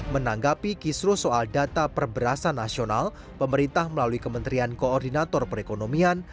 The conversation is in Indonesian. menanggapi kisruh soal data perberasan nasional pemerintah melalui kementerian koordinator perekonomian